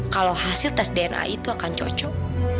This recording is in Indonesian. kalau hasil tes dna itu akan cocok